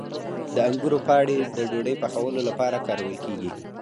د انګورو پاڼې د ډوډۍ پخولو لپاره کارول کیږي.